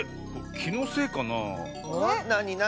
きのせいかな？